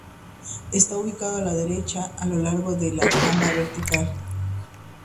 Está ubicada a la derecha, a lo largo de la jamba vertical.